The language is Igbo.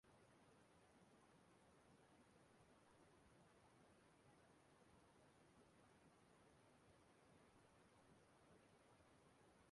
Ya bụ nsogbu agbasawanyekwala ruo ụfọdụ obodo ndị ọzọ gbara Nigeria gburugburu